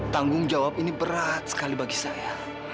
tanggung jawab ini berat sekali bagi saya